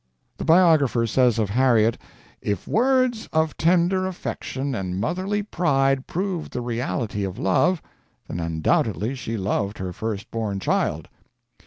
The biographer says of Harriet, "If words of tender affection and motherly pride proved the reality of love, then undoubtedly she loved her firstborn child."